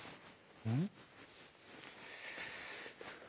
うん？